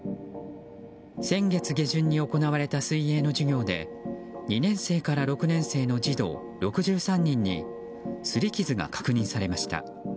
先月下旬に行われた水泳の授業で２年生から６年生の児童６３人にすり傷が確認されました。